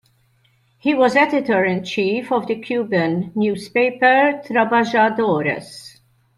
He was editor-in-chief of the Cuban newspaper "Trabajadores".